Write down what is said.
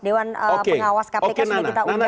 dewan pengawas kpk sudah kita undang